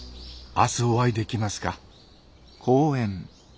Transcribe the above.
明日お会い出来ますか？」。